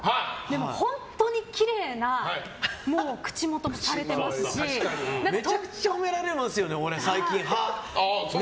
本当にきれいな口元もされてますしめちゃくちゃ褒められますね最近、歯。